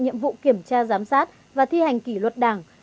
nhiệm vụ kiểm tra giám sát và thi hành kỷ luật đảng